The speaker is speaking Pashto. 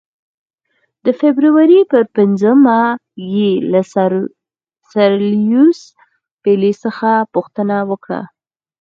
د فبرورۍ پر پنځمه یې له سر لیویس پیلي څخه پوښتنه وکړه.